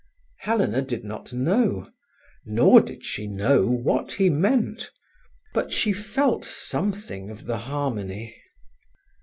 Helena did not know. Nor did she know what he meant. But she felt something of the harmony.